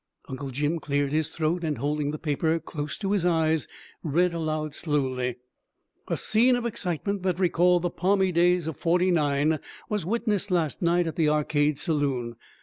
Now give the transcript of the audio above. Uncle Jim cleared his throat, and holding the paper close to his eyes read aloud slowly: "'A scene of excitement that recalled the palmy days of '49 was witnessed last night at the Arcade Saloon.